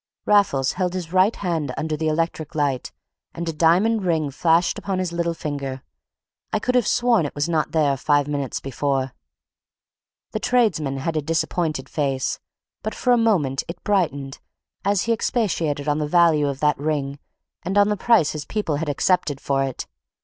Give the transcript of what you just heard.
Raffles held his right hand under the electric light, and a diamond ring flashed upon his little finger. I could have sworn it was not there five minutes before. The tradesman had a disappointed face, but for a moment it brightened as he expatiated on the value of that ring and on the price his people had accepted for it.